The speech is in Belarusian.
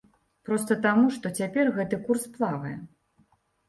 Проста таму, што цяпер гэты курс плавае.